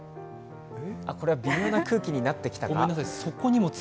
これは微妙な空気になってきたか。